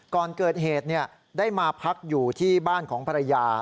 ก่อนเกิดเหตุได้มาพักอยู่ที่บ้านของภรรยา